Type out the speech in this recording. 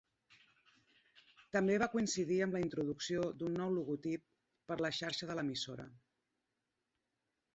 També va coincidir amb la introducció d'un nou logotip per la xarxa de l'emissora.